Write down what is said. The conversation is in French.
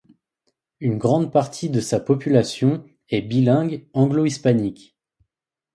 Une grande partie de sa population est bilingue anglo-hispanique.